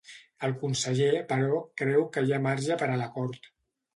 El conseller, però, creu que hi ha marge per a l’acord.